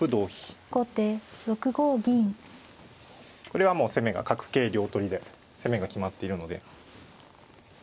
これはもう攻めが角桂両取りで攻めが決まっているので。